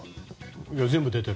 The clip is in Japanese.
いや、全部出てる。